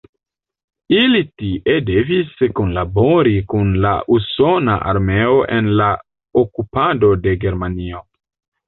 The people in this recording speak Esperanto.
Ili tie devis kunlabori kun la usona armeo en la okupado de Germanio.